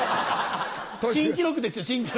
新記録ですよ新記録。